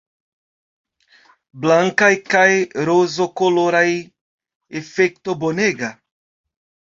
Blankaj kaj rozokoloraj, efekto bonega!